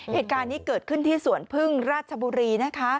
เหตุการณ์นี้เกิดขึ้นที่สวนพึ่งราชบุรีนะคะ